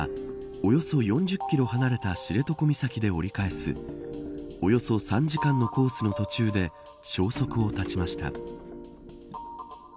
およそ４０キロ離れた知床岬で折り返すおよそ３時間のコースの途中で消息を絶ちました。